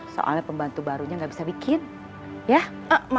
soalnya pembantu barunya nggak bisa bikin ya